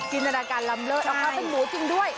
จินตนาการลำเลิศเอาข้าวเป็นหมูจริงด้วย